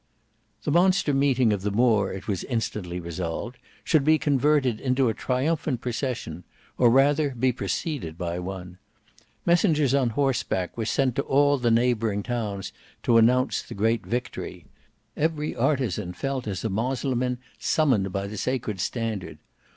The monster meeting of the Moor it was instantly resolved should be converted into a triumphant procession, or rather be preceded by one. Messengers on horseback were sent to all the neighbouring towns to announce the great event. Every artisan felt as a Moslemin summoned by the sacred standard.